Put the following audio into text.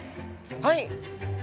はい。